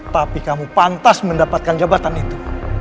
tapi kamu pantas mendapatkan jabatan itu